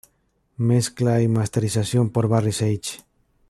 Mezcla y masterización por Barry Sage.